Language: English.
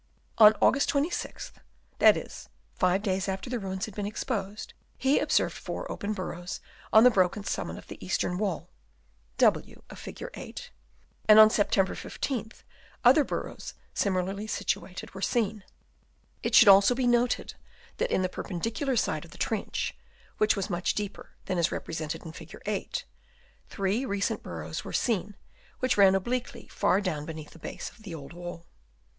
On August 26th, that is, five days after the ruins had been exposed, he observed four Chap. IV. OF ANCIENT BUILDINGS. 191 open burrows on the broken summit of the eastern wall (W in Fig. 8) ; and, on Septem ber 15th, other burrows similarly situated were seen. It should also be noted that in the perpendicular side of the trench (which was much deeper than is represented in Fig. 8) three recent burrows were seen, which ran obliquely far down beneath the base of the old wall.